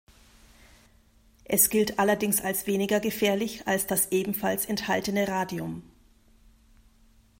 Es gilt allerdings als weniger gefährlich als das ebenfalls enthaltene Radium.